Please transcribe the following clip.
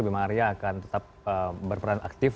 bimaria akan tetap berperan aktif